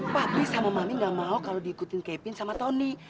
fahmi sama mami gak mau kalau diikutin kevin sama tony